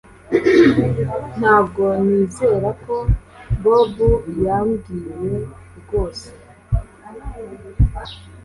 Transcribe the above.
Ntabwo nizera ko Bobo yambwiye rwose